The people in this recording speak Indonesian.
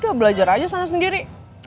udah belajar aja sana sendiri